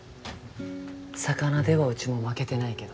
魚ではうちも負けてないけど。